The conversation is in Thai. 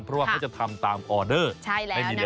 เพราะว่าเขาจะทำตามออเดอร์